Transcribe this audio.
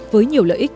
với nhiều lợi ích